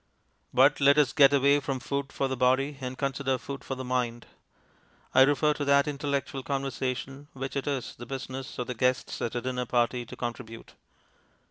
But let us get away from food for the body, and consider food for the mind. I refer to that intellectual conversation which it is the business of the guests at a dinner party to contribute.